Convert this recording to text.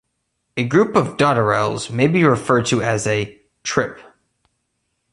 A group of dotterels may be referred to as a "trip".